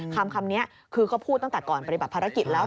คำนี้คือก็พูดตั้งแต่ก่อนปฏิบัติภารกิจแล้ว